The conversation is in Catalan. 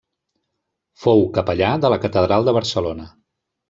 Fou capellà de la catedral de Barcelona.